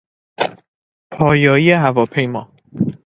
پایایی هواپیما